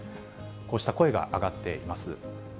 こうした声が上がっています。